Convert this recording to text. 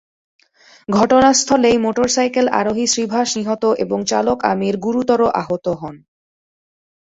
ঘটনাস্থলেই মোটরসাইকেল আরোহী শ্রীভাস নিহত এবং চালক আমির গুরুতর আহত হন।